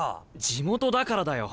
地元だからだよ。